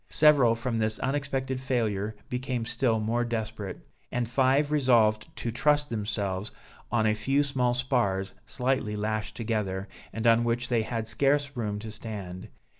Several from this unexpected failure became still more desperate, and five resolved to trust themselves on a few small spars slightly lashed together, and on which they had scarce room to stand.